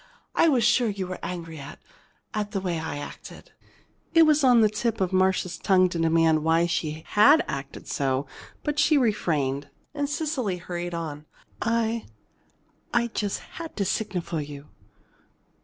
"I was sure you were angry at at the way I acted." It was on the tip of Marcia's tongue to demand why she had acted so, but she refrained. And Cecily hurried on: "I I just had to signal for you.